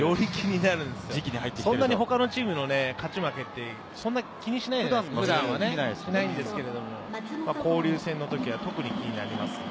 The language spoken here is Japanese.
そんなに他のチームの勝ち負けって気にしないんですけれど、交流戦のときは特に気になりますね。